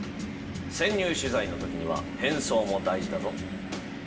潜入取材の時には変装も大事だぞ。